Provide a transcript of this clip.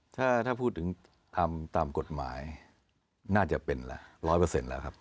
ถ้าพูดถึงทำตามกฎหมายน่าจะเป็นละ๑๐๐แล้วครับ